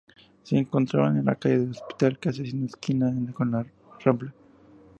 Se encontraba en la calle del Hospital, casi haciendo esquina con la Rambla.